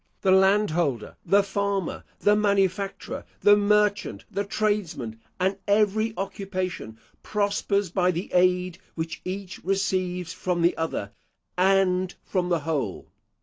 The landholder, the farmer, the manufacturer, the merchant, the tradesman, and every occupation, prospers by the aid which each receives from the other, and from the whole.